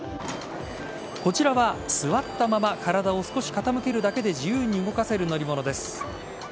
こちらは、座ったまま体を少し傾けるだけで自由に動かせる乗り物です。